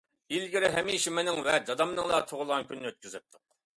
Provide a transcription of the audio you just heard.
-ئىلگىرى ھەمىشە مېنىڭ ۋە دادامنىڭلا تۇغۇلغان كۈنىنى ئۆتكۈزەتتۇق.